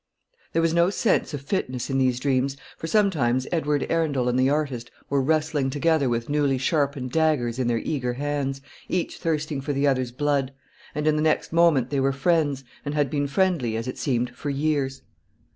There was no sense of fitness in these dreams; for sometimes Edward Arundel and the artist were wrestling together with newly sharpened daggers in their eager hands, each thirsting for the other's blood; and in the next moment they were friends, and had been friendly as it seemed for years.